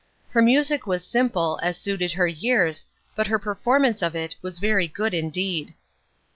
Her music was simple, as suited her years, but her performance of it was very good indeed.